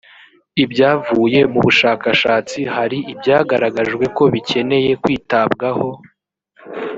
ibyavuye mu bushakashatsi hari ibyagaragajwe ko bikeneye kwitabwaho